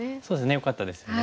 よかったですよね。